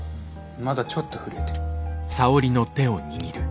まだちょっと震えてる。